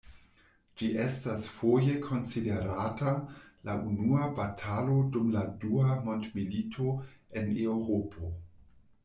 Ĝi estas foje konsiderata la unua batalo dum la dua mondmilito en Eŭropo.